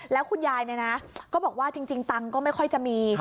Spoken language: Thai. แล้วคุณยายก็บอกว่าจริงตังค์ก็ไม่ค่อยจะมี